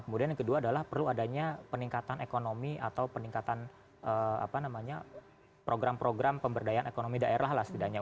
kemudian yang kedua adalah perlu adanya peningkatan ekonomi atau peningkatan program program pemberdayaan ekonomi daerah lah setidaknya